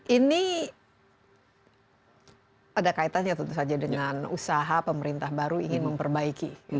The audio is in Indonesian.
ini ada kaitannya tentu saja dengan usaha pemerintah baru ingin memperbaiki